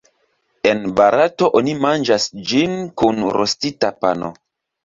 En Barato, oni manĝas ĝin kun rostita pano.